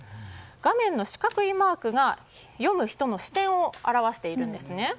画面の四角いマークが読む人の視点を表しているんですね。